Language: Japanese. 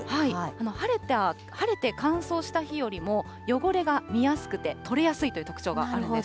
晴れて乾燥した日よりも、汚れが見やすくて取れやすいという特徴があるんです。